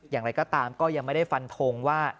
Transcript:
อย่างไรก็ตามก็ยังไม่ได้ฟันทงว่า